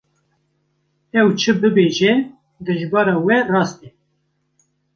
Ew çi bibêje, dijbera wê rast e.